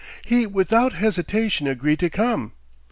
He without hesitation agreed to come.